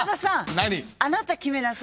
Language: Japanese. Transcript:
何？